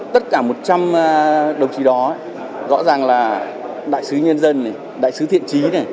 tất cả một trăm linh đồng chí đó rõ ràng là đại sứ nhân dân đại sứ thiện trí